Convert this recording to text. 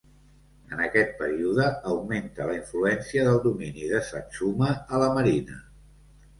En aquest període, augmenta la influència del domini de Satsuma a la Marina.